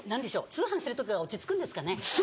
通販してる時が落ち着くんですかね。